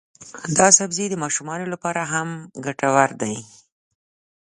دا سبزی د ماشومانو لپاره هم ګټور دی.